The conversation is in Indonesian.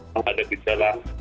kalau ada pindah langsung